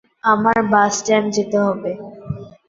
আমার bus stand যেতে হবে।